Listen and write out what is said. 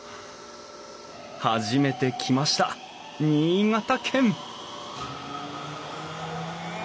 初めて来ました新潟県！